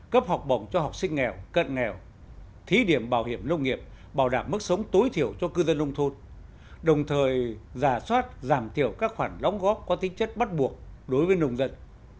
cấp học bổng cho học sinh nghèo cận nghèo thí điểm bảo hiểm nông nghiệp bảo đảm mức sống tối thiểu cho cư dân nông thôn đồng thời giả soát giảm thiểu các khoản đóng góp có tính chất bắt buộc đối với nông dân